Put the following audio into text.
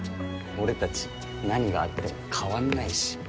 俺たち何があっても変わんないし。